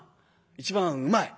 一番うまい。